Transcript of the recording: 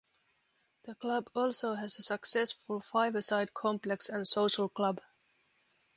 The Club also has a successful five a side complex and social club.